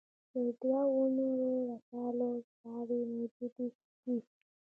د دوو نورو رسالو ژباړې موجودې دي.